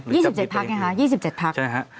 หรือจับมีปาร์ติฤทธิ์ใช่ครับ๒๗พัก